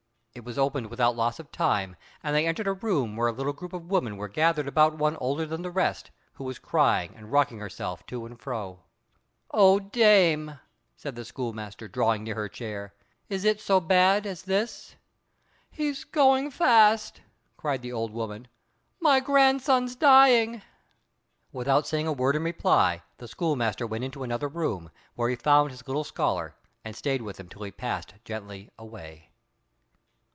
It was opened without loss of time, and they entered a room where a little group of women were gathered about one older than the rest, who was crying and rocking herself to and fro. "O dame!" said the schoolmaster, drawing near her chair, "is it so bad as this?" "He's going fast," cried the old woman; "my grandson's dying." Without saying a word in reply the schoolmaster went into another room, where he found his little scholar, and stayed with him till he passed gently away.